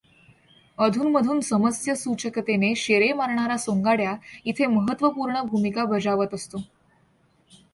अधूनमधून समयसूचकतेने शेरे मारणारा सोंगाड्या इथे महत्त्वपूर्ण भूमिका बजावत असतो.